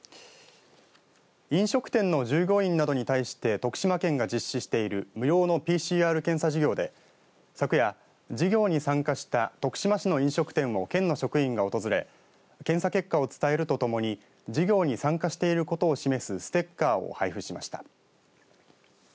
飲食店の従業員などに対して徳島県が実施している無料のＰＣＲ検査事業で昨夜、事業に参加した徳島市の飲食店を県の職員が訪れ検査結果を伝えるとともに事業に参加していることを示すステッカーを配布しました。